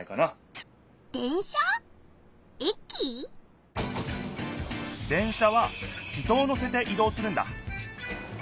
電車は人を乗せていどうするんだ。